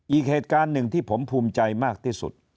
อีกเหตุการณ์หนึ่งที่ผมภูมิใจมากที่สุด